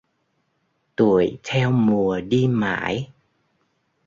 Tuổi theo mùa đi mãi